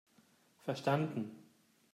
Verstanden!